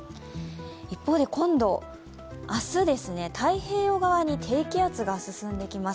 一方で今度、明日、太平洋側に低気圧が進んできます。